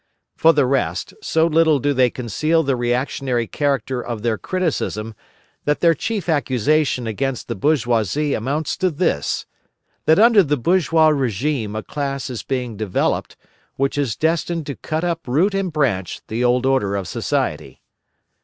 For the rest, so little do they conceal the reactionary character of their criticism that their chief accusation against the bourgeoisie amounts to this, that under the bourgeois regime a class is being developed, which is destined to cut up root and branch the old order of society.